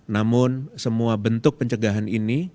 namun semua bentuk pencegahan ini